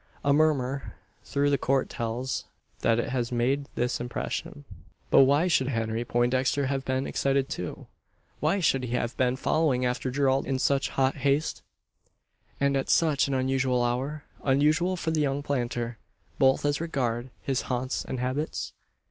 A murmur through the court tells that it has made this impression. But why should Henry Poindexter have been excited too? Why should he have been following after Gerald in such hot haste, and at such an unusual hour unusual for the young planter, both as regarded his haunts and habits?